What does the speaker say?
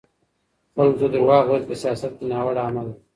خلګو ته درواغ ويل په سياست کي ناوړه عمل دی.